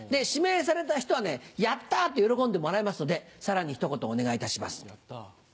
指名された人は「やった！」って喜んでもらいますのでさらにひと言お願いいたします。